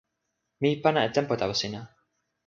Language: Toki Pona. mi pana e tenpo tawa sina.